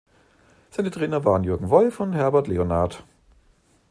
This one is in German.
Seine Trainer waren Jürgen Wolf und Herbert Leonhardt.